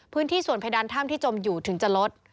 พื้นที่ส่วนเพดานถ้ำที่จมอยู่ถึงจะลด